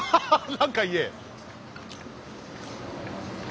何か言え！